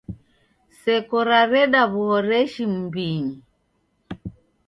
Seko rareda w'uhoreshi m'mbinyi.